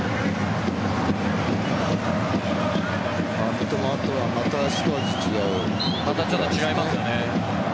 三笘とはまた一味違う。